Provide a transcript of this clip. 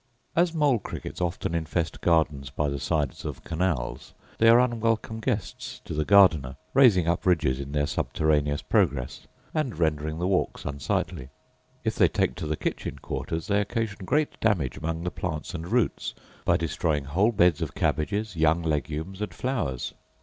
As mole crickets often infest gardens by the sides of canals, they are unwelcome guests to the gardener, raising up ridges in their subterraneous progress, and rendering the walks unsightly. If they take to the kitchen quarters, they occasion great damage among the plants and roots, by destroying whole beds of cabbages, young legumes, and flowers.